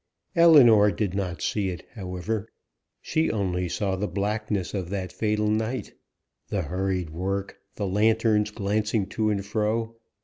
Ellinor did not see it, however; she only saw the blackness of that fatal night, the hurried work the lanterns glancing to and fro.